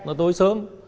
nó tối sớm